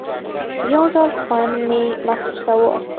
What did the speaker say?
يو ډول خوند مې محسوساوه.